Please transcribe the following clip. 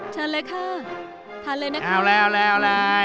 ชันเลยค่ะทานเลยนะครับอ้าว